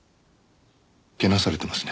けなされてますね。